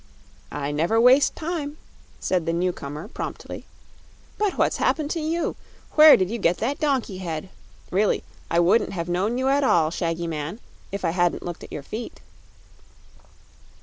"I never waste time," said the newcomer, promptly. "But what's happened to you? Where did you get that donkey head? Really, I wouldn't have known you at all, Shaggy Man, if I hadn't looked at your feet."